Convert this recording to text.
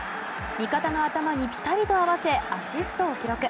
味方の頭にぴたりと合わせアシストを記録。